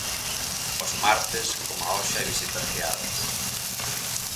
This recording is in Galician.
Os martes, coma hoxe, hai visitas guiadas.